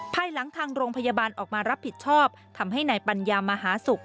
ภายหลังทางโรงพยาบาลออกมารับผิดชอบทำให้นายปัญญามหาศุกร์